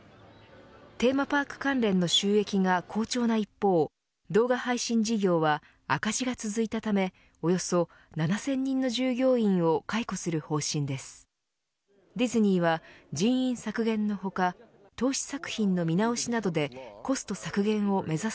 テーマパーク関連の収益が好調な一方動画配信事業は赤字が続いたためおよそ７０００人の従業員を解雇する方針です。